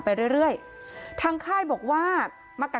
มีแต่เสียงตุ๊กแก่กลางคืนไม่กล้าเข้าห้องน้ำด้วยซ้ำ